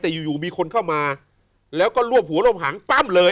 แต่อยู่อยู่มีคนเข้ามาแล้วก็รวบหัวร่มหางปั้มเลย